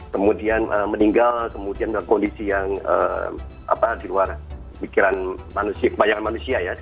kemudian meninggal kemudian berpondisi yang apa di luar pikiran manusia kebayangan manusia ya